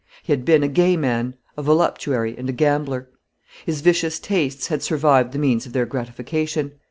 He had been a gay man, a voluptuary, and a gambler. His vicious tastes had survived the means of their gratification.